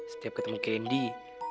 setiap ketemu kak candy